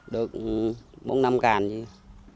được bốn năm can vậy